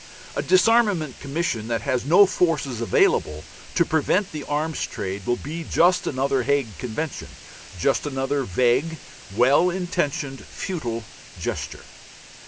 A Disarmament Commission that has no forces available to prevent the arms trade will be just another Hague Convention, just another vague, well intentioned, futile gesture.